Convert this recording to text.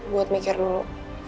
buat mikir dulu